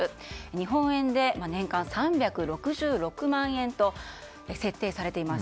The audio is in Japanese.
日本円で年間３６６万円と設定されています。